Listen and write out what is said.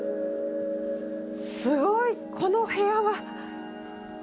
すごいこの部屋は。